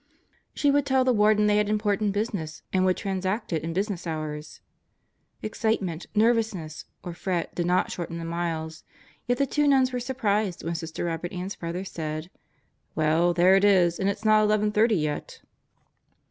She would tell the Warden they had important business and would transact it in business hours. Excitement, nervousness, or fret did not shorten the miles, yet the two nuns were surprised when Sister Robert Ann's brother said: "Well, there it is, and it is not 11:30 yet."